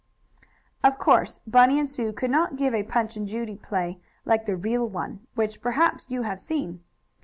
Of course Bunny and Sue could not give a Punch and Judy play like the real one, which, perhaps, you have seen.